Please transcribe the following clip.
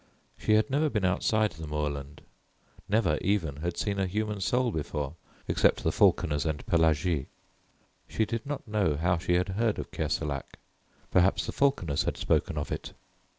She had never been outside the moorland never even had seen a human soul before, except the falconers and Pelagie. She did not know how she had heard of Kerselec; perhaps the falconers had spoken of it.